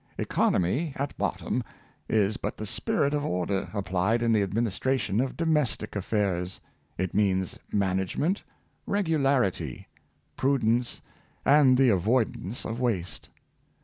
Economy, at bottom, is but the spirit of order applied in the administration of domestic affairs \ it means man agement, regularity, prudence, and the avoidance of waste.